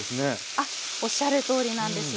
あっおっしゃるとおりなんです。